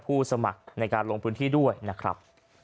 สมัครในการลงพื้นที่ด้วยนะครับ